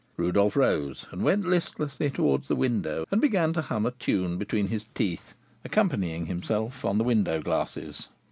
Rodolph rose and went listlessly towards the window, and began to hum a tune between his teeth, accompanying himself on the window glasses.